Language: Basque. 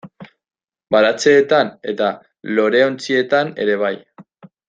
Baratzeetan eta loreontzietan ere bai.